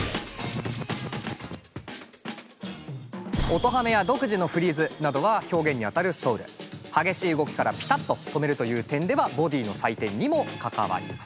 音ハメや独自のフリーズなどは表現にあたるソウル激しい動きからピタッと止めるという点ではボディの採点にも関わります。